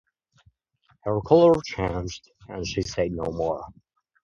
Her colour changed, and she said no more.